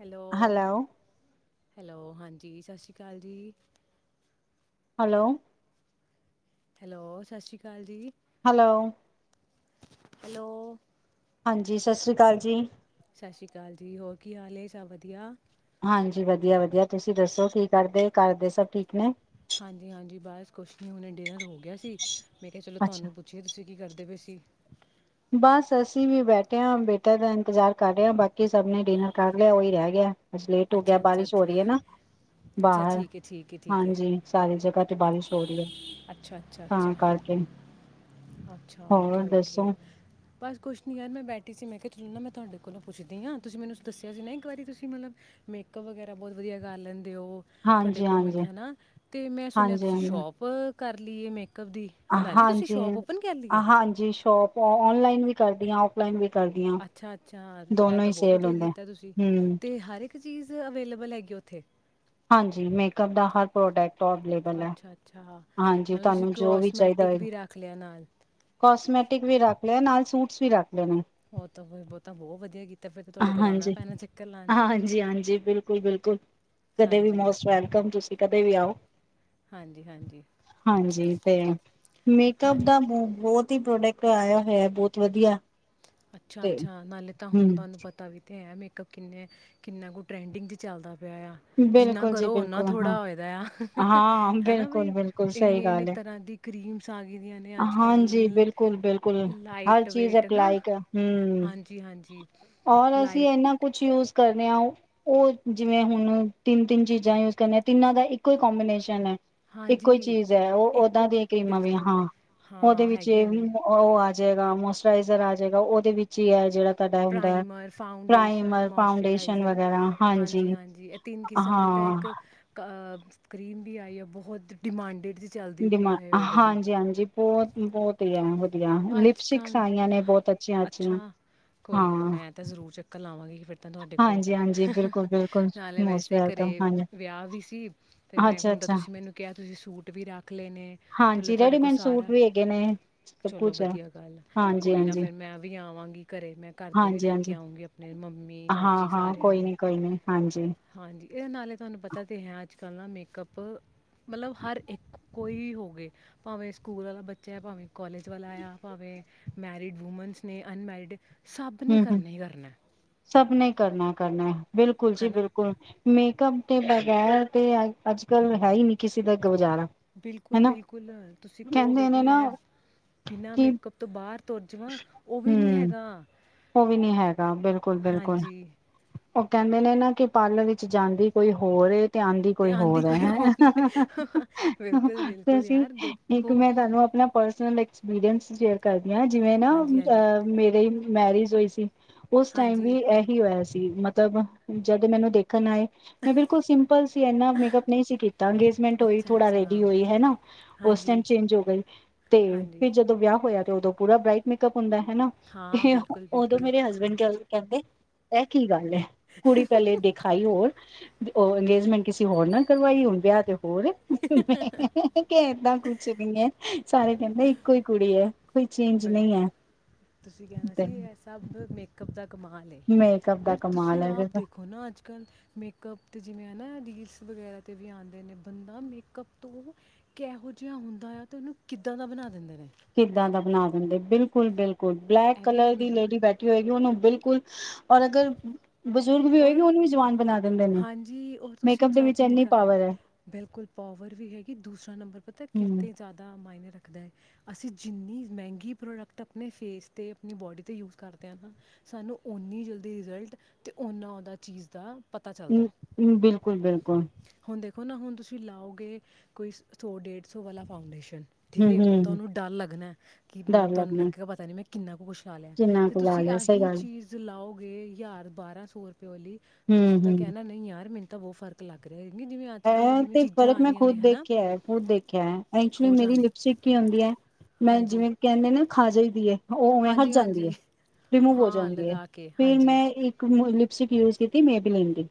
Hello hello ਹਾਂਜੀ ਸਤਿ ਸ਼੍ਰੀ ਅਕਾਲ ਜੀ ਹੈਲੋ ਹੈਲੋ ਸਤਿ ਸ਼੍ਰੀ ਅਕਾਲ ਜੀ ਹੈਲੋ ਹੈਲੋ ਹਾਂਜੀ ਸਤਿ ਸ਼੍ਰੀ ਅਕਾਲ ਜੀ ਸਤਿ ਸ਼੍ਰੀ ਅਕਾਲ ਜੀ ਹੋਰ ਕੀ ਹਾਲ ਹੇ ਸਭ ਵਧੀਆ? ਹਾਂਜੀ ਵਧੀਆ ਵਧੀਆ, ਤੁਸੀਂ ਦੱਸੋ ਕੀ ਕਰਦੇ, ਘਰਦੇ ਸਭ ਠੀਕ ਨੇ? ਹਾਂਜੀ, ਹਾਂਜੀ ਬਸ ਕੁਛ ਨੀ ਹੁਣੇ ਡਿਨਰ ਹੋ ਗਿਆ ਸੀ ਮੈਂ ਕਿਆ ਚਲੋ ਅੱਛਾ ਤੁਹਾਨੂੰ ਪੁੱਛਿਏ ਤੁਸੀਂ ਕੀ ਕਰਦੇ ਪੈ ਸੀ? ਬਸ ਅਸੀਂ ਵੀ ਬੈਠੇ ਹਾਂ ਬੇਟਾ ਦਾ ਇੰਤਜ਼ਾਰ ਕਰ ਰਹੇ ਹਾਂ ਬਾਕੀ ਸਭ ਨੇ ਡਿਨਰ ਕਰ ਲਿਆ ਓਹੀ ਰਹਿ ਗਿਆ ਲੇਟ ਹੋ ਗਿਆ ਅੱਛਾ ਅੱਛਾ ਬਾਰਿਸ਼ ਹੋ ਅੱਛਾ ਰਹੀ ਹੈ ਨਾ, ਅੱਛਾ ਬਾਹਰ, ਠੀਕ ਹੈ ਠੀਕ ਹੈ ਠੀਕ ਹੈ ਹਾਂਜੀ ਸਾਰੀ ਜਗ੍ਹਾ ਤੇ ਬਾਰਿਸ਼ ਹੋ ਰਹੀ ਹੈ ਅੱਛਾ ਅੱਛਾ ਤਾਂ ਅੱਛਾ ਕਰਕੇ ਅੱਛਾ ਹਾਂ ਓਕੇ ਓਕੇ ਦੱਸੋ ਬਸ ਕੁਛ ਨੀ ਯਾਰ, ਮੈਂ ਬੈਠੀ ਸੀ ਮੈਂ ਕਿਆ ਤੁਸਨੂ ਮੈਂ ਤੁਹਾਡੇ ਕੋਲੋਂ ਪੁੱਛਦੀ ਹਾਂ ਤੁਸੀਂ ਮੈਨੂੰ ਦੱਸਿਆ ਸੀ ਨਾ ਇੱਕ ਵਾਰੀ ਤੁਸੀਂ ਮਤਲਬ ਮੇਕਅਪ ਵਗੈਰਾ ਬਹੁਤ ਵਧੀਆ ਕਰ ਲੈਂਦੇ ਤੇ ਓਹ ਤੁਹਾਡੇ ਹਾਂਜੀ ਕੋਲ ਮੈ ਹਾਂਜੀ ਹੈ ਨਾ, ਤੇ ਮੈਂ ਸੁਣਿਆ ਹਾਂਜੀ ਤੁਸੀਂ ਹਾਂਜੀ ਸ਼ੋਪ ਕਰ ਲੀਏ ਮੈਂ ਕਰਦੀ, ਬਨਾਲੀ ਤੁਸੀਂ ਹਾਂਜੀ ਸ਼ੋਪ ਓ ਹਾਂਜੀ ਸ਼ੋਪ ਅਅ ਲ ਨ ਵੀ ਕਰਦੀ ਆ ਔਫਲਾਈਨ ਵੀ ਕਰਦੀ ਹਾਂ ਅੱਛਾ, ਅੱਛਾ, ਏਹ ਦੋਨੋ ਹੀ ਤਾਂ ਬਓ ਸੇਲ ਵਦੀਆ ਹੁੰਦੇ ਕੀਤਾ ਤੁਸੀਂ ਹਮ ਤੇ ਹਰ ਇੱਕ ਚੀਜ਼ ਅਵੇਲੇਬਲ ਹੈਗੀ ਓੱਥੇ? ਹਾਂਜੀ, ਮੇਕਅਪ ਦਾ ਹਰ ਪ੍ਰੋਡਕਟ ਅਵੇਲੇਬਲ ਹੈ। ਅੱਛਾ ਅੱਛਾ ਹਾਂਜੀ ਮਤਲਬ ਤੁਸੀਂ ਤਾਨੂੰ ਜੋ ਵੀ ਚਾਈਦਾ ਕੋਸਮੈਟਿਕ ਹੋ, ਵੀ ਰੱਖ ਲਿਆ ਨਾਲ ਕੋਸਮੈਟਿਕ ਵੀ ਰੱਖ ਲ ਨਾਲ ਸੂਟਸ ਵੀ ਰੱਖ ਲੇ ਨੇ। ਓ ਤਾਂ ਬ ਬਹੁ ਤਾਂ, ਬੋਅ ਵਧੀਆ ਕੀਤਾ। ਫਿਰ ਤਾਂ ਤੁਹਾਡੇ ਕੋਲ ਆਉਣਾ ਹਾਂਜੀ, ਪੈਣਾ ਚੱਕਰ ਲਾਉਣ ਹਾਂਜੀ, ਹਾਂਜੀ, ਬਿਲਕੁਲ ਬਿਲਕੁਲ, ਕਦੇ ਵੀ ਹਾਂਜੀ ਮੋਸਟ ਵੈਲਕਮ, ਤੁਂ ਕਦੇ ਵੀ ਆਓ। ਹਾਂਜੀ ਹਾਂਜੀ ਹਾਂਜੀ ਤੇ, ਹਾਂ ਮੇਕਅਪ ਦਾ ਮੂਵ ਬੋਤ ਦੀ ਪੋ੍ਡਕਟ ਆਇਆ ਹੋਇਆ ਬਹੁਤ ਵਦੀਆ। ਅੱਛਾ ਅੱਛਾ, ਨਾਲੇ ਤਾਂ ਹੁਨ ਤੁਆਨੂੰ। ਪਤਾ ਵੀ ਤੇ ਐ ਮੇ ਕਪ ਕਿੰਨੇ, ਕਿੰਨਾ ਕੁ ਟਰੈਂਡਿੰਗ 'ਚ ਚੱਲਦਾ ਜਿੰਨਾ ਬਿਲਕੁਲ ਜੀ ਕਰੋ ਓਨਾ ਬਿਲਕੁਲ ਹਾਂ ਥੋੜ੍ਹਾ ਹੋੲਦਾ ਏਆ, ਹਾਂ ਹੇਨਾ ਬਿਲਕੁਲ ਬਈ ਬਿਲਕੁਲ ਸਹੀ ਇਨੇ ਇਨੇ ਗੱਲ ਹੈ ਤਰ੍ਹਾਂ ਦੀ ਕਰੀਮਸ ਆਗੀਨਿਆਂ ਨੇ ਅੱਜ, ਹਾਂਜੀ ਕੱਲ ਬਿਲਕੁਲ ਲਾਈਟ ਵੇਟ ਨਾ। ਹੰ ਹਾਂਜੀ ਹਾਂਜੀ ਔਰ ਅਸੀਂ ਇੱਨਾ ਲਾਈਟ ਕੁਛ ਯੂਜ਼ ਕਰ ਕਰਨੇ ਆ ਓਹ ਜਿਵੇਂ ਹੁਣ ਤਿੰਨ ਤਿੰਨ ਚੀਜਾ ਯੂਜ ਕਰਨੀਆਂ ਤਿੰਨਾਂ ਦਾ ਇੱਕੋ ਹੀ ਕਬੀਨੇਸ਼ਨ ਹੈ ਇੱਕੋ ਈ ਹਾਂਜੀ ਚੀਜ਼ ਹੈ ਓਹ ਓਦਾਂ ਇੱਕੋ ਦੀ ਕਰੀਮਾਂ ਆ ਵੀ ਬਿਲਕੁਲ ਹਾਂ ਹਾਂ ਉਹਦੇ ਹਾਂ ਵਿੱਚ ਇਹ ਹੈਗੀਆਂ ਵੀ ਨੇ ਓਹ ਆ ਜੇੜਾ ਮੋਸਚਰਾਈਜ਼ਰ ਆ ਜੇਗਾ ਓਹਦੇ ਵਿੱਚ ਹੀ ਹੈ ਜਿਹੜਾ ਤੁਹਾਡਾ ਹੁੰਦਾ ਹੈ primer foundation primer foundation moisturiser ਵਗੈਰਾ ਹਾਂਜੀ ਹਾਂਜੀ। ਤਿੰਨ ਕਿਸਮ ਦੀ ਤਾਂ ਹਾਂ ਇੱਕ ਕ ਅ ਸਕ੍ਰੀਮ ਵੀ ਆਈ ਆ ਬਹੁਤ ਡਿਮਾਂਡਿਡ ਡਿਮਾਂ, ਹਾਂਜੀ ਹਾਂਜੀ ਬੋਹਤ ਬੋਹਤ ਹੀ ਏ। ਅੱਜ ਕੱਲ, ਅੱਛੀਆਂ ਅੱਛਾ ਕੋਈ ਨਾ ਹਾਂ ਮੈਂ ਤਾਂ ਜ਼ਰੂਰ ਚੱਕਰ ਲਾਵਾਂਗੀ ਫਿਰ ਤਾਂ ਤੁਹਾਡੇ ਹਾਂਜੀ ਹਾਂਜੀ ਬਿਲਕੁਲ ਬਿਲਕੁਲ ਕੋਲ--ਨਾਲੇ ਮੋਸਟ ਵੈਸੇ ਘਰੇ ਵੈਲਕਮ ਹਾਂਜੀ ਵਿਆਹ ਵੀ ਸੀ ਤੇ ਮੈਂ ਅੱਛਾ ਹੁਣ ਤਾਂ ਅੱਛਾ ਤੁਸੀਂ ਮੈਨੂੰ ਕਿਆ ਤੁਸੀਂ ਸੂਟ ਵੀ ਰੱਖ ਲੈਣੇ, ਹਾਂਜੀ ਤੁਹਾਡੇ ਕੋਲ ਰੈਡੀਮੇਡ ਸੂਟ ਸਾਰਾ ਵੀ ਹੈਗੇ ਨੇ ਸਭ ਚਲੋ ਕੁਛ ਹੈ ਵਧੀਆ ਗੱਲ ਆ ਹਾਂਜੀ ਕੋਈ ਨਾ ਹਾਂਜੀ ਫੇਰ ਮੈਂ ਵੀ ਆਵਾਂਗੀ ਘਰੇ ਮੈਂ ਘਰ ਦੇ ਵੀ ਹਾਂਜੀ ਲੈ ਕੇ ਹਾਂਜੀ ਆਊਂਗੀ ਅਪਣੇ ਮੰਮੀ ਚਾਚੀ ਹਾਂ ਹਾਂ ਸਾਰਿਆਂ ਕੋਈ ਨੂੰ ਨੀ ਕੋਈ ਨੀ ਹਾਂਜੀ। ਹਾਂਜੀ ਇਹ ਦੇ ਨਾਲੇ ਤੁਹਾਨੂੰ ਪਤਾ ਤੇ ਹੈ ਅੱਜ-ਕੱਲ ਨਾ ਮੇਕਅੱਪ, ਮਲਬ ਹਰ ਇੱਕ ਕੋਈ ਹੋਵੇ ਭਾਵੇਂ ਸਕੂਲ ਵਾਲਾ ਬੱਚਾ ਐ, ਭਾਵੇਂ ਕੋਲਜ ਵੱਲ ਆਇਆ, ਭਾਵੇਂ ਮੈਰਿਡ ਵੂਮਨਸ ਨੇ, ਅਨਮੈਰਿਡ ਸਭ ਨੇ ਹੂੰ, ਹੂੰ, ਕਰਨਾ ਹੀ ਕਰਨਾ ਹੈ ਸਭ ਨੇ ਕਰਨਾ ਕਰਨਾ। ਬਿਲਕੁਲ ਹੈ ਜੀ, ਨਾ ਬਿਲਕੁਲ। ਮੇਕਅਪ ਤੇ ਬਗੈਰ ਤੇ ਅੱਜ-ਕੱਲ ਹੈ ਹੀ ਨੀ ਕਿਸੇ ਦਾ ਗੁਜ਼ਾਰਾ ਬਿਲਕੁਲ ਹਨਾ ਬਿਲਕੁਲ, ਤੁਸੀਂ ਕਓਗੇ ਕਹਿੰਦੇ ਕਿ ਨੇ ਨਾ ਮੈਂ ਬਿਨਾਂ ਕਿ ਮੇਕਅਪ ਤੋਂ ਬਾਰ ਤੁਰ ਜਵਾਂ, ਓ ਵੀ ਨੀ ਹੈਗਾ। ਓ ਵੀ ਨੀ ਹੈਗਾ। ਬਿਲਕੁਲ, ਬਿਲਕੁਲ। ਹਾਂਜੀ ਓ ਕੈਂਦੇ ਨੇ ਨਾ ਕਿ ਪਾਰਲਰ ਵਿੱਚ ਜਾਂਦੀ ਕੋਈ ਹੋਰ ਏ ਤੇ ਆਂਦੀ ਕੋਈ ਹੋਰ ਐ, ਬਿਲਕੁਲ ਬਿਲਕੁਲ ਅਸੀਂ ਯਾਰ ਇੱਕ ਦੇਖੋ ਮੈਂ ਤਾਂਨੂੰ ਆਪਨਾ ਪਰਸਨਲ ਐਕਸਪੀਰੀਅੰਸ ਜੇਕਰ ਜਿਵੇਂ ਨਾ ਹਾਂਜੀ ਹਾਂਜੀ ਅਹ ਮੇਰੇ ਮੈਰਿਜ ਹੋਈ ਸੀ ਓਸ ਟਾਈਮ ਵੀ ਹਾਂਜੀ ਏਹੀ ਮਤਬ, ਜਦ ਮੈਨੂੰ ਦੇਖਨ ਆਏ ਮੈਂ ਬਿਲਕੁਲ ਸਿੰਪਲ ਸੀ, ਏਨਾ ਮੇਕਅਪ ਨਹੀਂ ਸੀ ਕੀਤਾ ਅੰਗੇਜਮੈਂਟ ਹੋਈ ਅੱਛਾ ਥੋੜਾ ਰੈਡੀ ਅੱਛਾ ਹੋਈ ਹੈਨਾ, ਓਸ ਟਾਈਮ ਹਾਂਜੀ ਚੇਂਜ ਹੋ ਗਈ ਤੇ ਹਾਂਜੀ ਫਿਰ ਜਦੋਂ ਵਿਆਹ ਹੋਇਆ ਤੇ ਓਦੋਂ ਪੂਰਾ ਬ੍ਰਾਈਟ ਮੇਕਅਪ ਹੁੰਦਾ, ਹਨਾ ਹਾਂ ਤੇ ਬਿਲਕੁਲ ਓਦੋਂ ਬਿਲਕੁਲ ਮੇਰੇ ਹਸਬੈਂਡ ਕ ਕੈਂਦੇ ਏ ਕੀ ਗੱਲ ਲੈ, ਕੁੜੀ ਪੈਲੇ ਦਿਖਾਈ ਹੋਰ ਓ ਅੰਗੇਜਮੈਂਟ ਕਿਸੇ ਹੋਰ ਨਾ ਕਰਵਾਈ ਹੁਨ ਵਿਆਹ ਦਿਓ ਹੋਰ, ਮੈ ਕੇ ਏਦਾਂ ਕੁਛ ਨੀ ਐ, ਸਾਰੇ ਕੈਂਦੇ ਇੱਕੋ ਰੇ ਕੁੜੀ ਐ। ਕੋਈ ਚੇਂਜ ਨਈ ਬਟ ਐ। ਤੁਸੀਂ ਕੈਨਾ ਸੀ ਏਹ ਸਭ ਮੇਕ ਕਪ ਦਾ ਕਮਾਲ ਏ, ਮੇਕਅਪ ਦਾ ਯਾਰ ਤੁਸੀਂ ਕਮਾਲ ਹੈ ਆਪ ਦੇਖੋ ਨਾ ਅੱਜ-ਕੱਲ ਮੇਕਅਪ ਜਿਵੇਂ ਹੈ ਨਾ, ਰੀਲਸ ਵਗੈਰਾ ਤੇ ਵੀ ਆਂਦੇ ਨੇ ਬੰਦਾ ਮੇਕਅੱਪ ਤੋਂ ਕੈਓ ਜਿਹਾ ਹੁੰਦਾ ਆ ਤੇ ਓਨੂੰ ਕਿੱਦਾਂ ਦਾ ਬਨਾ ਦਿੰਦੇ ਨੇ। ਕਿੱਦਾਂ ਦਾ ਬਣਾ ਦਿੰਦੇ, ਬਿਲਕੁਲ, ਬਿਲਕ ਕੁਲ, ਬਲੈਕ ਇਹ ਵੀ ਕਲਰ ਦੀ ਹੁੰਦਾ ਹੈ। ਲੇਡੀ ਬੈਠੀ ਹੋਏਗੀ ਓਨੂੰ ਬਿਲਕੁਲ, ਓਰ ਅਗਰ ਬਜ਼ੁਰਗ ਵੀ ਹੋਏਗੀ ਔਰ ਓਨੂੰ ਵੀ ਜਵਾਨ ਬਨਾ ਹਾਂਜੀ, ਓ ਤੁਸੀਂ ਜੱਜ ਨਹੀਂ ਕਰ, ਪਾਵਰ ਹੈ ਬਿਲਕੁਲ ਪਾਵਰ ਵੀ ਹੈਗੀ, ਦੂਸਰਾ ਨੰਬਰ ਪਤਾ ਹਮ ਕਿਤੇ ਜਾਦਾ ਮਾਈਨ ਰੱਖਦਾ ਐ। ਅਸੀਂ ਜਿੰਨੀ ਮੈਂਗੀ ਪ੍ਰੋਡਕਟ ਅਪਨੇ ਫੇਸ ਤੇ ਅਪਨੀ ਬੋਡੀ ਤੇ ਯੂਸ ਕਰਦੇ ਆ ਨਾ, ਸਾਨੂੰ ਓਨੀ ਜਲਦੀ ਰਿਜ਼ਲਟ ਤੇ ਓਨਾਂ ਓਦਾ ਚੀਜ਼ ਦਾ ਪਤਾ ਚੱਲਦਾ ਹੂੰ, ਹੂੰ ਬਿਲਕੁਲ, ਬਿਲਕ। ਕੁਲ। ਹੁਨ ਦੇਖੋ ਨਾ, ਹੁਣ ਤੁਸੀਂ ਲਾਓਗੇ ਕੋਈ ਸ ਸੌ-ਡੇਢ ਸੌ ਵਾਲਾ ਫਾਊਂਡੇਸ਼ਨ ਠੀਕ ਏ, ਹਮ ਓ ਹਮ ਤਾਨੂ ਡਲ ਲਗਨਾ ਕਿ ਡਰ ਮਲਬ ਤਾਨੂੰ ਲੱਗਣਾ ਲਗੇਗਾ ਪਤਾ ਨਹੀਂ ਮੈਂ ਕਿੰਨਾ ਕੁਛ ਲਾ ਲਿਆ ਕਿੰਨਾ ਤੇ ਕੁ ਤੁਸੀਂ ਲਾਲ ਹੈ ਸਹੀ ਆਹੀ ਗੱਲ ਚੀਜ਼ ਲਾਓ ਗੇ ਯਾਂਰ ਬਾਰਾਂ ਸੌ ਪਿਓਲੀ ਹਮ ਤੁਸੀਂ ਤਾਂ ਕਹਿਨਾ ਨਹੀਂ ਯਾਰ ਮਿ ਤਾਂ ਓ ਫਰਕ ਲੱਗ ਰੇਆ। ਏਹ ਤੇ ਫਰਕ ਮੈਂ ਖੁਦ ਦੇਖਿਆ ਐ, ਖੁਦ ਦੇਖਿਆ ਐ, ਐਕਚੁਲੀ ਹੋ ਮੇਰੀ ਜਾਣ ਲਿਪਸਟਿਕ ਹੀ ਹੁੰਦੀ ਹੈ, ਮੈਂ ਹਾਂਜੀ ਜਿਵੇਂ ਕੈਂਦੇ ਨਾ ਖਾ ਜਾਈ ਦੀਏ ਓ ਓਵੇਂ ਹਟ ਹਾਂਜੀ ਜਾਂਦੀ ਏ, ਹਾਂਜੀ ਰਿਮੂਵ ਹੋ ਹਾਂ ਜਾਂਦੀ ਏ, ਲਗਾ ਕੇ ਫਿਰ ਹਾਂਜੀ ਮੈਂ ਇੱਕ ਲਿਪਸਟਿਕ ਯੂਜ ਕੀਤੀ ਮੇਬੀਲਿਨ [unintelligible]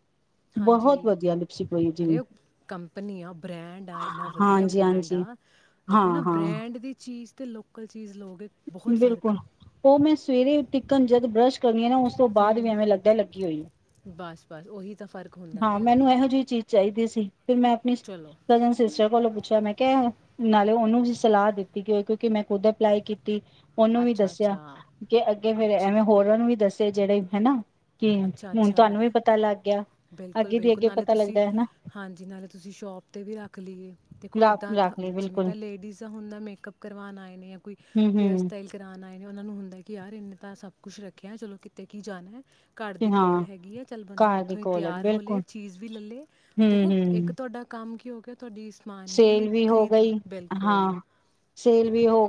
ਬਹੋਤ ਹਾਂਜੀ ਵਧੀਆ ਲਿਪਸੀ ਪਈ ਜਿਵੇਂ ਅਰੇ ਕੰਪਨੀ ਆ, ਬ੍ਰੈਂਡ ਆ, ਇੰਨਾ ਵਧੀਆ ਹਾਂਜੀ ਬ੍ਰੈਂਡ ਹਾਂਜੀ ਆ ਦੇਖੋ ਨਾ ਹਾਂ ਹਾਂ ਬ੍ਰੈਂਡ ਦੀ ਚੀਜ਼ ਅਤੇ ਲੋਕਲ ਚ ਬਿਲਕੁਲ, ਓ ਮੈਂ ਸਵੇਰੇ ਟਿਕਨ ਜਦ ਬ੍ਸ਼ ਕਰਨੀ ਆ ਨਾ ਓਸ ਤੋਂ ਬਾਦ ਵੀ ਹੂੰ ਐਵੇਂ ਲੱਗਦਾ ਲੱਗੀ ਹੋਈ ਏ, ਬਸ ਬਸ ਉਹੀ ਤਾਂ ਫ਼ਰਕ ਹੁੰਦਾ ਹਾਂ ਨਾ ਮੈਨੂੰ ਏਹੋ ਜੇਹੀ ਚੀਜ਼ ਚਾਈਦੀ ਸੀ [unintelligible] ਫਿਰ ਮੈਂ ਆਪਨੂੰ ਚਲੋ ਕਜ਼ਨ ਸਿਸਟਰ ਕੋਲੋਂ ਅੱਛਾ ਮੈਂ ਕੇਆ ਨਾਲੇ ਓਨੂੰ ਸਲਾਹ ਦਿੱਤੀ ਗ ਕਿਓਕਿ ਮੈਂ ਖੁੱਦ ਅਪਲਾਈ ਕੀ ਤੀ। ਓਨੂੰ ਵੀ ਅੱਛਾ ਦੱਸਿਆ ਅੱਛਾ ਕਿ ਅੱਗੇ ਅੱਛਾ ਫੇਰ ਐਵੇਂ ਹੋਰਾਂ ਨੂੰ ਵੀ ਦੱਸ ਜੇੜੇ ਹੈਨਾ ਅੱਛਾ, ਅੱਛਾ, ਬਿਲਕੁਲ, ਅੱਗੇ ਦੀ ਬਿਲਕੁਲ ਅੱਗੇ ਨਾਲੇ ਪਤਾ ਤੁਸੀਂ, ਲੱਗਦਾ ਹੈ ਨਾ ਹਾਂਜੀ, ਨਾਲੇ ਤੁਸੀਂ ਸ਼ੋਪ ਤੇ ਵੀ ਰੱਖ ਲਈਏ ਦੇਖੋ ਰਾ ਏਦਾਂ ਰੱਖ ਲਈ ਜਿਵੇਂ ਬਿਲਕੁਲ ਦਾ ਲੇਡੀਜ ਦਾ ਹੁੰਦਾ ਮੇਕਅਪ ਕਰਵਾਣ ਆਏ ਨੇ ਯਾਂ ਕੋਈ ਹੂੰ ਹੇਅਰ ਹੂੰ ਸਟਾਈਲ ਕਰਾਨ ਏ ਨੇ, ਓਨਾਂ ਨੂੰ ਹੁੰਦਾ ਕਿ ਯਾਰ ਇਨੇ ਤਾਂ ਸਭ ਕੁੱਛ ਰੱਖਿਆ ਚਲੋ ਕਿਤੇ ਕੀ ਜਾਨਾ ਏ ਘਰ ਤੇ ਦੀ ਹਾਂ ਕੋਲ ਹੈਗੀ ਆ ਚੱਲ ਬੰਦਾ ਘਰ ਦੇ ਉੱਥੋਂ ਹੀ ਕੋਲ ਹੈ ਤਿਆਰ ਹੋ ਲਏ ਬਿਲਕੁਲ ਚੀਜ਼ ਵੀ ਲਲੇ ਹੂੰ ਦੇਖੋ ਇੱਕ ਹੂੰ ਤੁਆਡਾ ਕੰਮ ਕੀ ਕਿ ਹੋ ਗਿਆ ਤੁਆਡੀ ਸਮਾਨ ਵੀ ਸੇਲ ਹੋ ਖਰੀਦ ਗਈ ਹਾਂ ਬਿਲਕੁਲ, ਸੇਲ ਵੀ ਹੋ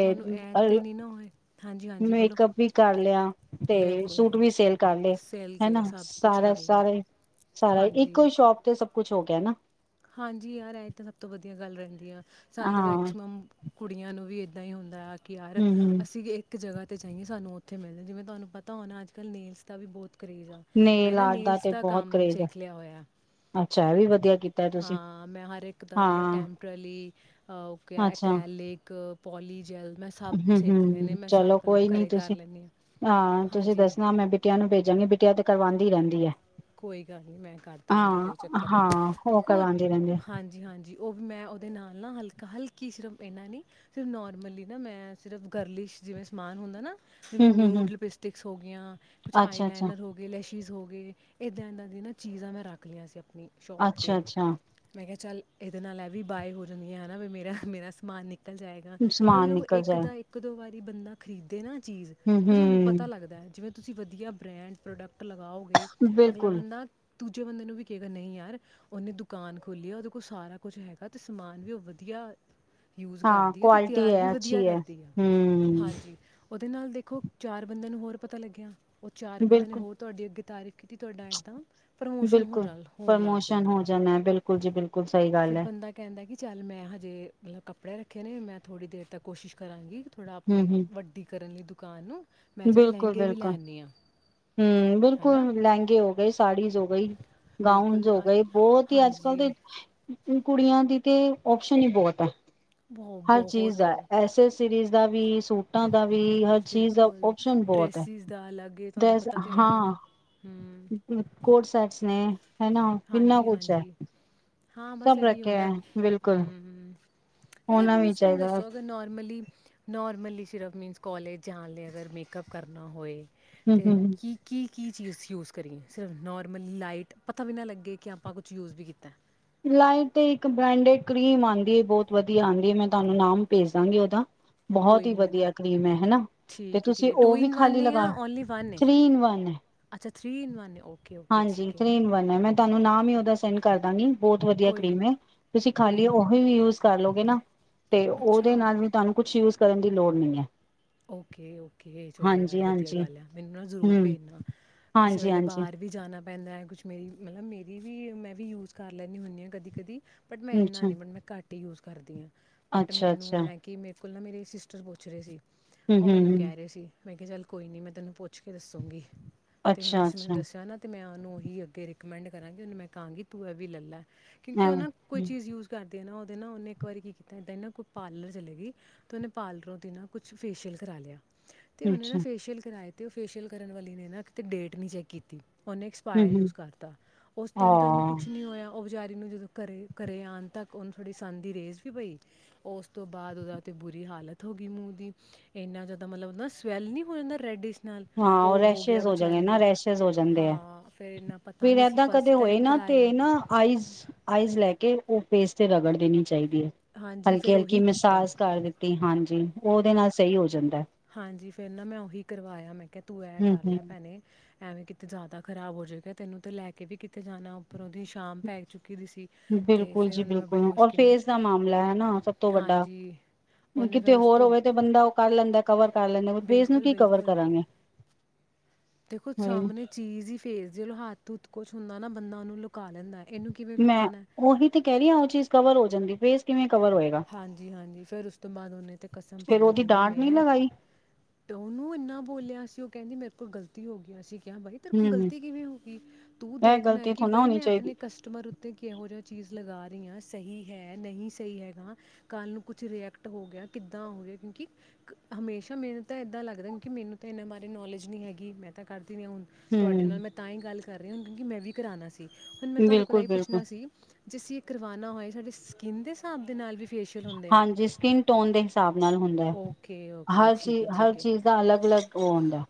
ਤੁਆਨੂੰ ਐ ਤੇ ਨੀ ਨਾ ਹੋਏ ਹਾਂਜੀ ਹਾਂਜੀ ਬੋਲੋ ਮੇਕਅੱਪ ਵੀ ਕਰ ਲਯਾ, ਤੇ ਬਿਲਕੁਲ ਸੂਟ ਵੀ ਸੇਲ ਕਰ ਸੇਲ ਕੇ ਹੈਨਾ, ਸਭ ਕੁਝ ਸਾਰਾ ਕਰ ਲਿਆ ਸਾਰੇ ਸਾਰਾ ਇੱਕੋ ਹਾਂਜੀ ਹੀ ਸ਼ੋਪ ਤੇ ਸਬ ਕੁਛ ਹੋ ਗਿਆ ਨਾ ਹਾਂਜੀ ਯਾਰ, ਏ ਤਾਂ ਸਭ ਤੋਂ ਵਧੀਆ ਗੱਲ ਰਇੰਦੀ ਆ ਸਾਨ ਤੇ ਹਾਂ। ਮੈਕਸੀਮਮ ਕੁੜੀਆਂ ਨੂੰ ਵੀ ਏਦਾਂ ਹੀ ਹੁੰਦਾ ਅ ਕਿ ਯਾਰ ਹੂੰ ਹੂੰ ਅਸੀਂ ਇੱਕ ਜਗ੍ਹਾ ਅਤੇ ਚਾਹੀਏ ਸਾਨੂੰ ਉੱਥੇ ਮਿਲਦੇ ਜਿਵੇਂ ਤੁਆਨੂੰ ਪਤਾ ਹੋਨਾ ਅੱਜ-ਕਲ ਨੇਲਸ ਦਾ ਵੀ ਬੋਤ ਨੇਲ ਆਰਟ ਦਾ ਤੇ ਬਹੁਤ ਕਰੇਜ ਆ, ਸਿੱਖ ਲਿਆ ਹੋਇਆ ਅੱਛਾ ਐ ਵੀ ਵਦੀਆ ਕੀਤਾ ਤੁਸੀਂ ਹਾਂ, ਮੈਂ ਹਰ ਇੱਕ ਦਾ ਮਤਲਬ ਹਾਂ। ਟੈਂਪਰਲੀ ਅ ਓ ਕੇਹਾ ਅੱਛਾ ਇਕਰੈਲ ਲੇਕ ਪੋਲੀ ਜੈਲ ਮੈਂ ਸਭ ਹੂੰ, ਸਿੱਖ ਲਏ ਨੇ ਹੂੰ ਮੈਂ ਸਭ ਚਲੋ ਮਤਲਬ ਕੋਈ ਨੀ ਘਰੇ ਕਰ ਤੁਸੀਂ, ਲੈਂਦੀ ਹਾਂ ਤੁਸੀਂ ਦੱਸਨਾ ਮੈਂ ਬਿਟਿਆਂ ਨੂੰ ਪੇਜ ਜਾਂਗੀ, ਬਿਟਿਆ ਤੇ ਕਰਵਾਂਦੀ ਰਇੰਦੀ ਐ। ਕੋਈ ਗੱਲ ਨਈ, ਮੈਂ ਕਰ ਦੇਵਾਂਗੀ ਕੋਈ ਚੱਕਰ ਨਈ, ਹਾਂ ਉਹ ਦੇਖੋ ਕਰਵਾਉਂਦੀ ਰਹਿੰਦੀ ਹਾਂਜੀ ਹਾਂਜੀ ਓਹ ਮੈਂ ਓਦੇ ਨਾਲ ਨਾ ਹਲਕਾ, ਹਲਕੀ ਸਿਰਫ ਐਨਾ ਨੀ ਸਿਰਫ ਨੋਰਮਲੀ ਨਾ ਮੈਂ ਸਿਰਫ ਗਰਲਿਸ਼ ਜਿਵੇਂ ਸਮਾਨ ਹੁੰਦਾ ਨਾ ਜਿਵੇਂ ਹੂੰ ਹੂੰ ਹੂੰ ਨਿਊਡ ਲਿਪਸਟਿਕਸ ਹੋ ਗਿਆਂ, ਕੁਛ ਅੱਛਾ ਅੱਛਾ ਆਈਲਾਈਨਰ ਹੋ ਗੇ ਲੈ ਚੀਜ਼ ਹੋ ਗੇਈ ਏਦਾਂ ਐਨਾ ਦੀ ਨਾ ਚੀਜ਼ਾਂ ਮੈ ਰੱਖ ਲੀਆਂ ਸੀ ਆ ਆਪਨੀ ਸ਼ੋਪ ਤੇ, ਅੱਛਾ ਅੱਛਾ ਮੈਂ ਕੇਆ ਚੱਲ ਏਦੇ ਨਾਲ ਐ ਵੀ ਬਾਏ ਹੋ ਜਾਂਦੀਆਂ, ਹਨਾ ਵੀ ਮੇਰਾ ਮੇਰਾ ਸਮਾਨ ਨੀ। ਲ ਜਾਏਗਾ ਸਮਾਨ ਹ ਨਿਕਲ ਇੱਕ ਜਾਏ ਦਾ ਇੱਕ ਦੋ ਵਾਰੀ ਬੰਦਾ ਖਰੀਦੇ ਨਾ ਚੀਜ਼। ਹੂੰ ਫਿਰ ਸ੍ਹਾਨੂੰ ਪਤਾ ਹੂੰ ਲੱਗਦੈ ਜਿਵੇਂ ਤੁਸੀਂ ਵਦੀਆ ਬ੍ਰੈਂਡ ਪ੍ਰੋਡਕਟ ਲਗਾਓਗੇ ਅਗਲਾ ਬਿਲਕੁਲ ਬੰਦਾ ਦੂਜੇ ਬੰਦੇ ਨੂੰ ਵੀ ਕੇਗਾ ਨਈ ਯਾਰ, ਓਨੇ ਦੁਕਾਨ ਖੋਲੀ ਆ ਓਦੇ ਕੋਲ ਸਾਰਾ ਕੋਛ ਹੈਗਾ ਤੇ ਸਮਾਨ ਵੀ ਓ ਵਦੀਆ ਯੂਜ਼ ਕਰਦੀ ਆ ਤੇ ਤੇਆਰ ਵੀ ਵਦੀਆ ਕਰਦੀ ਆ। ਹਾਂਜੀ ਓਦੇ ਨਾਲ਼ ਦੇਖੋ, ਚਾਰ ਬੰਦੇਆਂ ਨੂੰ ਹੋਰ ਪਤਾ ਲੱਗੇਆ ਓ ਚਾਰ ਬੰਦੇਆਂ ਨੇ ਹੋਰ ਤੁਆਡੇ ਅੱਗੇ ਤਾਰੀਫ ਕਿਤੇ ਤੁਆਡਾ ਐਦਾ ਬਿਲਕੁਲ, ਪ੍ਰਮੋਸ਼ਨ ਹੋ ਜਾਂਨਾ ਬਿਲਕੁਲ। [unintelligible] ਗੱਲ ਫੇਿ ਹੈ ਬੰਦਾ ਕੈਂਦਾ ਕਿ ਚੱਲ ਮੈਂ ਹਜੇ ਮਲਬ ਕੱਪੜੇ ਰੱਖੇ ਨੇ,, ਮੈਂ ਥੋੜ੍ਹੀ ਦੇਰ ਤੱਕ ਕੋਸ਼ਿਸ਼ ਕਰਾਂਗੀ। ਥੋੜ੍ਹਾ ਹੂੰ ਆਪਣੇ ਹੂੰ ਵੱਡੀ ਕਰਨ ਲਈ ਦੁ ਦੁਕਾਨ ਨੂੰ। ਮੈਂ ਚੱਲ ਬਿਲਕੁਲ, ਲਹਿੰਗੇ ਵੀ ਲੈ ਬਿਲਕੁਲ ਆਉਂਦੀ ਹਾਂ ਹੂੰ, ਹੈ ਨਾ ਬਿਲਕੁਲ ਲੈਂਗੇ ਹੋ ਗਏ, ਸਾੜੀਜ਼ ਹੋ ਗਈ,, ਗਾਊਨਸ ਬਿਲਕੁਲ ਹੋ ਅੱਜ ਗਏ ਬੋਤ ਈ ਅੱਜ- ਕੱਲ ਹਾਂਜੀ ਦੇ ਕੁੜੀਆਂ ਦੀ ਤੇ ਓਪਸ਼ਨ ਈ ਬੋਤ ਆ। ਬਹੁ ਹਰ ਚੀਜ਼ ਬਹੁਤ ਐ, ਐਸੇ ਸੀਰੀਜ਼ ਦਾ ਵੀ ਸੂਟਾਂ ਦਾ ਵੀ ਹਰ ਚੀਜ਼ ਦਾ ਓਪਸ਼ਨ ਬਹੁਤ ਹੈ ਡ੍ਰੇਸੀਸ ਦਾ ਅਲੱਗ ਏ ਤੁਆਨੂੰ ਦਸ ਪਤਾ ਤੇ ਐ ਹੁਨ। ਹੂੰ ਕੋਟ ਸੈਟਸ ਨੇ ਹਨਾ ਕਿੰਨਾ ਹਾਂਜੀ, ਕੁਛ ਹੈ ਹਾਂਜੀ ਹਾਂ, ਬਸ ਸਭ ਏਹੀ ਰੱਖਿਆ ਹੁੰਦੈ। ਹੈ ਬਿਲਕੁਲ ਹੂੰ [unintelligible] ਹੋਣਾ ਵੀ ਮੈਨੂੰ ਚਾਹੀਦਾ ਦੱਸੋ ਅਗਰ ਨੋਾਰਮਲੀ ਨੋਰ ਨਾਰਮਲੀ ਸਿਰਫ ਮਿਨਸ ਕੋਲੇਜ ਜਾਨ ਲਈ ਅਗਰ ਮੇਕਅਪ ਕਰਨਾ ਹੋਏ ਹੂੰ ਤੇ ਹੂੰ ਕੀ ਕੀ ਕੀ ਚੀਜ਼ ਯੂਜ਼ ਕਰੀਏਂ? ਸਿਰਫ ਨੋਰਮਲੀ ਲਾਈਟ ਪ ਤਾ ਵੀ ਨਾ ਲੱਗੇ, ਕਿ ਆਪਾਂ ਕੁਛ ਯੂਜ਼ ਵੀ ਕੀਤੈ। ਯਾਰ ਇੱਕ ਤੇ ਇੱਕ ਬੈਂਡੇੜ ਕ੍ਰੀਮ ਆਂਦੀ ਏ, ਬੋਤ ਵਦੀਆ ਆਂਦੀ ਏ ਮੈਂ ਤੁਹਾਨੂੰ ਨਾਮ ਭੇਜ ਦਾਂਗੀ ਐਦਾ ਬਹੋਤ ਕੋਈ ਈ ਨਹੀਂ ਮੈਨੂੰ ਵਦੀਆ ਕ੍ਰੀਮ ਐ ਹੈਨਾ, ਤੇ ਠੀਕ ਹੈ ਠੀਕ ਤੂਸੀ ਹੈ ਟੂ ਓਵੀ ਇਨ ਵਨ ਖਾਲੀ ਹੈ ਲਗਾ, ਜਾਂ ਓਨਲੀ ਵਨ ਹੈ ਥ੍ਰੀ-ਈਨ-ਵਨ ਏ। ਅੱਛਾ ਥਰੀ ਇਨ ਵਨ ਹੈ ਓਕੇ-ਓਕੇ ਹਾਂਜੀ, ਠੀਕ ਹੈ ਥ੍ਰੀ-ਈਨ-ਵਨ ਏ ਮੈਂਂ ਤ੍ਹਾਨੂ ਨਾ ਵੀ ਓਦਾ ਸੈਂਡ ਕਰਦਾ ਗੀ ਬੋਤ ਵਦੀਆ ਕੋਈ ਕ੍ਰੀਮ ਏ। ਤੁਸੀਂ ਕੋਈ ਖਾਲੀ ਨਹੀਂ ਓਹੀ ਯੂਜ਼ ਕਰਲੋਗੇ ਨਾ। ਤੇ ਓਦੇ ਅੱਛਾ ਨਾਲ ਵੀ ਤੁਹਾਨੂੰ ਕੁਛ ਯੂਜ ਕਰਨ ਦੀ ਲੋੜ ਨਈ ਐ। ਓਕੇ, ਓਕੇ ਚਲੋ ਯਾਰ ਵਦੀਆ ਹਾਂਜੀ ਗੱਲ ਐ। ਮਿਨੂੰ ਨਾ ਜ਼ਰੂਰ ਹੂੰ ਭੇਜਨਾ, ਕਿਸੇ ਹਾਂਜੀ ਵੇਲੇ ਹਾਂਜੀ ਬਾਹਰ ਵੀ ਜਾਨਾਂ ਪੈਂਦੈ ਕੁਛ ਮੇਰੀ ਮਲਬ ਮੇਰੀ ਵੀ, ਮੈਂ ਵੀ ਯੂਜ਼ ਕਰ ਲੈਂਨੀ ਹੁੰਨੀ ਆ ਕਦੀ, ਕਦੀ ਬਟ ਮੈਂ ਐਨਾ ਅੱਛਾ ਨੀ ਬਟ ਮੈਂ ਘੱਟ ਈ ਯੂਜ਼ ਕਰਦੀਆਂ। ਬਟ ਅੱਛਾ ਮੈਨੂੰ ਅੱਛਾ ਐਂ ਕਿ ਮੇ ਕੁੱਲ ਨਾ ਮੇਰੀ ਸਿਸਟਰ ਪੁੱਛ ਰਏ ਸੀ ਹੂੰ ਓ ਹੂੰ ਮੈਨੂੰ ਹੂੰ ਕੈ ਰਏ ਸੀ ਮੈਂ ਕੇਆ ਚੱਲ ਕੋਈ ਨੀ ਮੈਂ ਤੈਨੂੰ ਪੁੱਛ ਪੁੱਛ ਕੇ ਦੱਸੂੰਗੀ ਤੇ ਹੁ ਅੱਛਾ ਤੁਸੀਂ ਮੈਨੂੰ ਅੱਛਾ ਦੱਸੇਆ ਨਾ, ਤੇ ਮੈਂ ਆ ਓਨੂ ਓਹੀ ਅੱਗੇ ਰਿ ਕਮੈਂਡ ਕਰਾਂਗੀ ਓਨੂੰ ਮੈਂ ਕਾਂਗੀ ਤੂੰ ਐਵੀ ਲ ਲੈ। ਕਿਉਂਕਿ ਐਵੇਂ ਉਨਾ ਕੋਈ ਹਮ, ਚੀਜ਼ ਯੂਜ਼ ਕਰਦੀ ਆ ਨਾ ਤੇ ਨਾ ਓਨੇ ਇੱਕ ਵਾਰੀ ਕੀ ਕੀਤੈ, ਏਦਾਂ ਨਾ ਕੋਈ ਪਾਰਲਰ ਚਲੀ ਗਈ ਤੇ ਨੇ ਪਾਰਲਰੋ ਦੀ ਨਾ ਕੁਛ ਫੇਸ਼ੀਅਲ ਕਰਾ ਲੇਆ ਤੇ ਓਨੇ ਨਾ ਅੱਛਾ ਫੇਸ਼ੀਅਲ ਕਰਾਏ ਤੇ ਓ ਫੇਸ਼ੀਅਲ ਕਰਨ ਵਾਲੀ ਨੇ ਨਾ, ਕੀਤੇ ਡੇਟ ਨੀ ਚੇਕ ਕੀਤੀ ਓਨੇ ਹੂੰ ਐਕਸਪਾਇਰ ਹੂੰ ਯੂਜ਼ ਕਰਤਾ ਓਸ ਟਾਈਮ ਤੇ ਓਨੂੰ ਹਾਂ ਕੁਛ ਨਈ ਹੋਯਾ ਓ ਵਿਚਾਰੀ ਨੂੰ ਜਦੋਂ ਘਰ, ਘਰੇ ਆਨ ਤੱਕ ਓਨੂੰ ਥੋੜ੍ਹੀ ਸੰਨ ਦੀ ਰੇਜ਼ ਵੀ ਪਈ, ਓਸ ਤੋਂ ਬਾਦ ਓਦਾਤੇ ਬੁਰੀ ਹਾਲਤ ਹੋ ਗਈ ਮੂੰਹ ਦੀ ਇੰਨਾ ਜ਼ਿਆਦਾ ਮਤਲਬ ਨਾ ਸਵੈਲ ਨਹੀਂ ਹੋ ਜਾਂਦਾ ਰੈਡਿਸ਼ ਨਾਲ ਹਾਂ ਓ ਉਹ ਗਿਆ ਰੈਸੇ਼ਸ਼ ਹੋ ਜਾਣੇ ਵਿਚਾਰੀ ਨਾ ਦੇ ਰੈਸੇ਼ਜ਼ ਹੋ ਜਾਂਦੇ ਆ, ਹਾਂ ਇੰਨਾ ਪਤਾ ਫਿਰ ਨਹੀਂ ਸੀ ਏਦਾਂ ਕਦੋ ਫਸਟ ਹੋਏ ਟਾਈਮ ਨਾ ਕਰਾਇਆ ਤੇ ਨਾ ਆਈਜ਼ ਆਈਜ਼ ਲੈ ਕੇ ਓ ਫੇਸ ਤੇ ਰਗੜਦੇ ਨੇ ਚਾਈਦੀ ਏ। ਹਾਂਜੀ ਹਲਕੀ, ਫਿਰ ਹਲਕੀ ਉਹੀ ਕੀਤਾ ਮਸਾਸ ਕਰ ਦਿੱਤੀ ਹਾਂਜੀ। ਓਦੇ ਨਾਲ ਸਹੀ ਹੋ ਜਾਂਦੈ। ਹਾਂਜੀ, ਫੇਰ ਨਾ ਮੈਂ ਓਹੀ ਕਰਵਾਏਆ। ਤੂੰ ਐ ਹਮ ਕਰ ਲੈ ਹਮ ਭੈਨੇ ਐਵੇਂ ਕਿਤੇ ਜਾ਼ਦਾ ਖਰਾਬ ਹੋ ਜੇ, ਕੈ ਤੈਨੂੰ ਤੇ ਲੈ ਕੇ ਵੀ ਕਿਤੇ ਜਾਨਾ ਉੱਪਰੋ ਦੀ ਸ਼ਾਮ ਪੈ ਚੁੱਕੀ ਦੀ ਸੀ ਅਤੇ ਬਿਲਕੁਲ ਫਿਰ ਜੀ, ਉਹਨੇ ਮੈਂ ਬੜੀ ਬਿਲਕੁਲ ਔਰ ਮੁਸ਼ਕਿਲ ਨਾਲ ਫੇਸ ਦਾ ਮਾਮਲਾ ਐਨਾ ਸਭ ਤੋਂ ਵੱਡਾ, ਹਾਂਜੀ ਉਹਨੇ ਕਿਤੇ ਫਿਰ ਉਸ ਹੋਰ ਤੋਂ ਹੋਵੇ ਤੇ ਬੰਦਾ ਓ ਕਰ ਲੈਂਦੈ ਕਵਰ ਕਰ ਲੈਂਦੇ ਫੇਸ ਨੂੰ ਬਿਲਕੁਲ ਕੀ ਕਵਰ ਬਿਲਕੁਲ ਕਰਾਂਗੇ? ਦੇਖੋ ਸਾਹਮਣੇ ਚੀਜ਼ ਹੀ ਫੇਸ ਜਲ ਹੱਥ ਹਥ ਕੁਛ ਹੁੰਦਾ ਨਾ। ਬੰਦਾ ਨੂੰ ਮੈਂ ਉਹੀ ਤੇ ਕਹਿ ਰਹੀ ਹਾਂ ਉਹ ਚੀਜ਼ ਕਵਰ ਹੋ ਜਾਂਦੀ। ਫੇਸ ਕਿਵੇਂ ਕਵਰ ਹੋਏਗਾ ਹਾਂਜੀ-ਹਾਂਜੀ, ਫੇਰ ਉਸ ਤੋਂ ਬਾਅਦ ਉਹਹਨੇ ਤੇ ਕਸਮ ਪਾ ਫੇਰ ਲਈ ਉਹਦੀ ਕਹਿੰਦੀ ਡਾਂਟ ਨਹੀਂ ਮੈਂ ਲਗਾਈ ਉਹਨੂੰ ਇੰਨਾ ਬੋਲਿਆ ਸੀ ਉਹ ਕਹਿੰਦੀ ਮੇਰ ਤੋਂ ਗਲਤੀ ਹੋ ਗਇਆ ਸੀ ਕ ਬਾਈ ਤੇਰੇ ਕੋਲ ਹਮ ਗਲਤੀ ਕਿਵੇਂ ਹੋ ਗਈ? ਤੂੰ ਇਹ ਦੇਖਣਾ ਹੈ ਗਲਤੀ ਕਿ ਥੋੜਾ ਨਾ ਬਾਈ ਹੋਣੀ ਮੈਂ ਚਾਹੀਦੀ ਆਪਣੇ ਕਸਟਮਰ ਉੱਤੇ ਕਿਹੋ ਜਿਹਾ ਚੀਜ਼ ਲਗਾ ਰਹੀ ਹਾਂ ਸਹੀ ਹੈ ਨਹੀਂ ਸਹੀ ਹੈਗਾ। ਕੱਲ ਨੂੰ ਕੁਛ ਰਿਐਕਟ ਹੋ ਗਿਆ ਕਿੱਦਾਂ ਹੋ ਗਿਆ ਕਿਉਂਕਿ ਹਮੇਸ਼ਾ ਮੈਨੂੰ ਤਾਂ ਏਦਾਂ ਲੱਗਦਾ ਕਿਉਂਕਿ ਮੈਨੂੰ ਤਾਂ ਇਹਨਾਂ ਬਾਰੇ ਨੋਲੇਜ ਨਹੀਂ ਹੈਗੀ ਮੈਂ ਤਾਂ ਕਰ ਹੁਣ ਤੁਹਾਡੇ ਹਮ ਨਾਲ ਮੈਂ ਤਾਂ ਹੀ ਗੱਲ ਕਰ ਰਹੇ ਹੁ ਕਿਉਕ ਮੈਂ ਵੀ ਕਰਉਣਾ ਸੀ। ਹੁਣ ਮੈਂ ਤੁਹਾਾਨੇ ਕੋਲ ਇ ਬਿਲਕੁਲ-ਬਿਲਕੁਲ ਪੁੱਛਣਾ ਸੀ ਜੇ ਅਸੀਂ ਇਹ ਕਰਵਾਉਣਾ ਹੋਏ ਸਾਡੇ ਸਕਿੰਨ ਦੇ ਹਿਸਾਬ ਦੇ ਨਾਲ ਵੀ ਫੇਸ਼ੀਅਲ ਹੁੰਦੇ ਆ ਹਾਂਜੀ ਸਕਿਨ ਟੋਨ ਦੇ ਹਿਸਾਬ ਨਾਲ ਹੁੰਦਾ ਹੈ, ਓਕੇ ਓਕੇ ਹਰ ਚੀ ਠੀਕ ਹੈ ਹਰ ਠੀਕ ਹੈ ਚੀਜ਼ ਦਾ ਅਲੱਗ ਅਲੱਗ ਉਹ ਹੁੰਦਾ ਹੈ।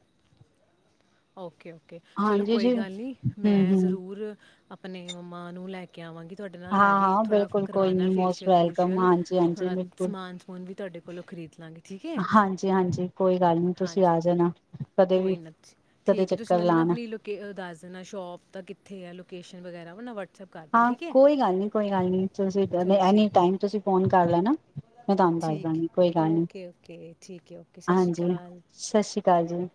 ਓਕੇ ਓ ਓਕੇ ਚਲੋ ਕੋਈ ਜੀ ਗੱਲ ਨਹੀਂ ਮੈਂ ਹੂੰ-ਹੂੰ ਜ਼ਰੂਰ ਆਪ ਆਪਣੇ ਮੰਮਾ ਨੂੰ ਲੈ ਕੇ ਅ ਕੇ ਆਵਾਂਗੀ ਤੁਹਾਡੇ ਨਾਲ ਮੈਂ ਵੀ ਹਾਂ-ਹਾਂ ਥੋੜ੍ਹਾ ਬਿਲਕੁਲ ਕੋਈ ਕਰਵਾਉਣਾ ਨੀ ਮੋਸਟ ਫੇਸ਼ੀਅਲ ਵੈਲਕਮ ਫੁਸ਼ੀਅਲ ਹਾਂਜੀ-ਹਾਂਜੀ ਥੋੜ੍ਹਾ ਬਿਲਕੁਲ ਸਮਾਨ ਸਮੂਨ ਵੀ ਤੁਹਾਡੇ ਕੋਲੋਂ ਖਰੀਦ ਲਾਂਗੀ ਠੀਕ ਹੈ ਹਾਂਜੀ-ਹਾਂਜੀ ਕੋਈ ਗੱਲ ਨੀ ਤੁਸੀਂ ਹਾਂਜੀ ਆ ਜਾਣਾ ਕਦੇ ਵੀ ਕੋਈ ਨਾ ਜੀ। ਕਦੇ ਠੀਕ ਤੁਸੀਂ ਚੱਕਰ ਮੈਨੂੰ ਨਾ ਲਾਣਾ ਆਪਣੀ ਲੋਕੇ ਦੱਸ ਦੇਣਾ ਸ਼ੋਪ ਤਾਂ ਕਿੱਥੇ ਲੋਕੇਸ਼ਨ ਵਗੈਰਾ ਉਹ ਵੱ ਹਾਂ ਕੋਈ ਗੱਲ ਨਹੀਂ, ਕੋਈ ਗੱਲ ਨਹੀਂ, ਤੁਸੀਂ ਚਲੋ ਠੀਕ ਐਨੀ ਟਾਈਮ ਤੁਸੀਂ ਫੋਨ ਕਰ ਲੈ ਨਾ। ਠੀਕ ਹੈ, ਓਕੇ ਓਕੇ, ਠੀਕ ਹੈ ਓਕੇ ਸਤਿ ਸ਼੍ਰੀ ਅਕਾਲ। ਕਾਲ ਜੀ